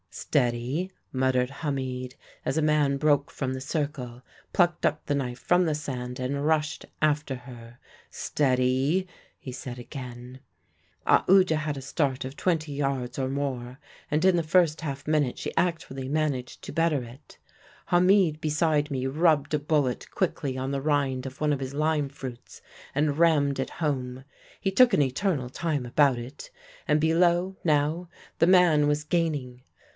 "'Steady!' muttered Hamid, as a man broke from the circle, plucked up the knife from the sand and rushed after her. 'Steady!' he said again. "Aoodya had a start of twenty yards or more, and in the first half minute she actually managed to better it. Hamid, beside me, rubbed a bullet quickly on the rind of one of his lime fruits and rammed it home. He took an eternal time about it; and below, now, the man was gaining.